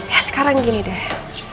ya sekarang gini deh